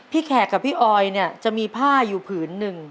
พี่แขกกับพี่ออยจะมีผ้าอยู่ผืนนึง